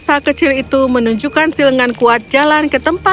maka raksasa kecil itu menunjukkan si lengan kuat jalan ke tempat ayahku